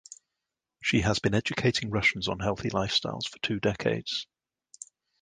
She has been educating Russians on healthy lifestyles for two decades.